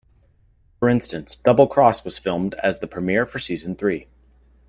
For instance, "Double Cross" was filmed as the premiere for Season Three.